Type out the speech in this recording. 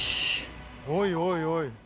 おいおいおい。